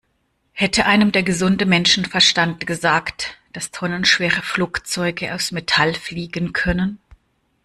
Hätte einem der gesunde Menschenverstand gesagt, dass tonnenschwere Flugzeuge aus Metall fliegen können?